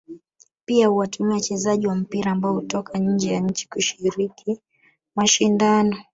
Pia huwatumia wachezaji wa mpira ambao hutoka nje ya nchi kushiriki mashindano